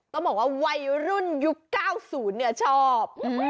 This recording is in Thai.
ต้องบอกว่าวัยรุ่นยุค๙๐ชอบ